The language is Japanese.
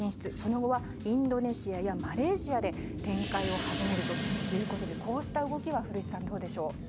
その後は、インドネシアやマレーシアで展開を始めるということでこうした動きは古市さん、どうでしょう。